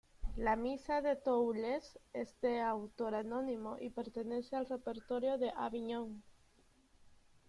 La "Misa de Toulouse" es de autor anónimo y pertenece al repertorio de Aviñón.